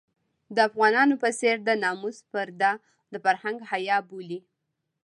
د افغانانو په څېر د ناموس پرده د فرهنګ حيا بولي.